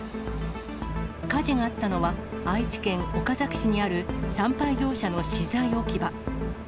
火事があったのは、愛知県岡崎市にある産廃業者の資材置き場。